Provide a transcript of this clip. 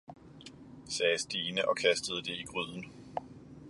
sagde Stine og kastede det i gryden.